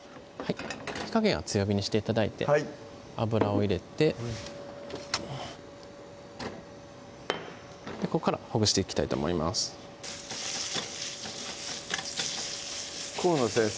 火加減は強火にして頂いて油を入れてここからほぐしていきたいと思います河野先生